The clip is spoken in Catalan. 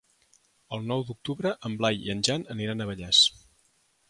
El nou d'octubre en Blai i en Jan aniran a Vallés.